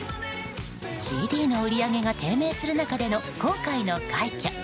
ＣＤの売り上げが低迷する中での今回の快挙。